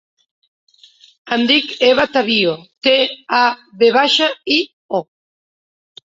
Em dic Eva Tavio: te, a, ve baixa, i, o.